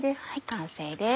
完成です。